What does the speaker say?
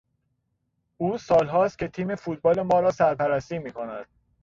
او سالهاست که تیم فوتبال ما را سر پرستی میکند.